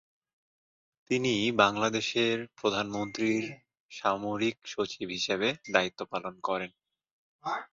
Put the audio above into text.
তিনি বাংলাদেশের প্রধানমন্ত্রীর সামরিক সচিব হিসেবে দায়িত্ব পালন করেন।